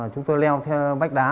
chúng tôi leo theo vách đá